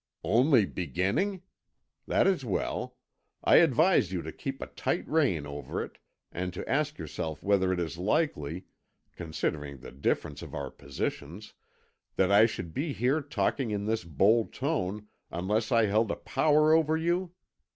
"Only beginning? That is well. I advise you to keep a tight rein over it, and to ask yourself whether it is likely considering the difference of our positions that I should be here talking in this bold tone unless I held a power over you?